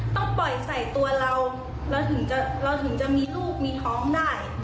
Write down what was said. ต้องปล่อยใส่ตัวเราเราถึงจะเราถึงจะมีลูกมีท้องได้